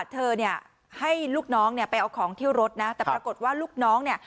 เธอให้ลูกน้องไปเอาของเที่ยวรถนะแต่ปรากฏว่าลูกน้อง